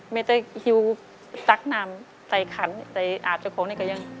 ไม่ได้คิวตั๊กน้ำใส่ขันใส่อาจจะโค้งนี่ก็ยัง